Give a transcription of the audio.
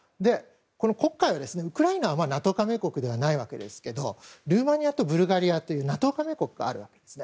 黒海はウクライナはＮＡＴＯ加盟国ではないわけですけれどもルーマニアとブルガリアというＮＡＴＯ加盟国があるわけですね。